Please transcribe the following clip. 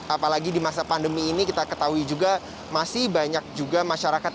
apalagi di masa pandemi ini kita ketahui juga masih banyak juga masyarakat